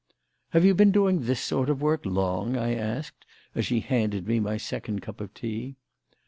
"Have you been doing this sort of work long?" I asked as she handed me my second cup of tea.